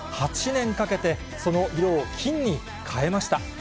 ８年かけて、その色を金に変えました。